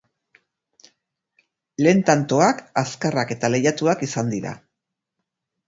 Lehen tantoak azkarrak eta lehiatuak izan dira.